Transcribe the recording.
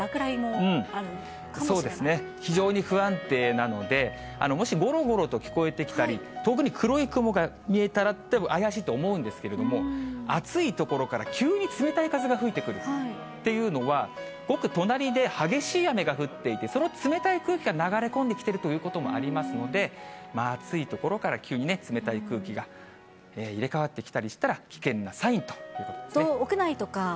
非常に不安定なので、もしごろごろと聞こえてきたり、遠くに黒い雲が見えたら怪しいと思うんですけれども、暑い所から急に冷たい風が吹いてくるっていうのは、ごく隣で激しい雨が降っていて、その冷たい空気が流れ込んできているということもありますので、まあ、暑い所から急に冷たい空気が入れ替わってきたりしたら、危険なサインということですね。